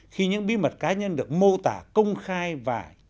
khi những bí mật cá nhân được mô tả công khắc